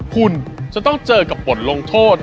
คุณจะต้องเจอกับบทลงโทษ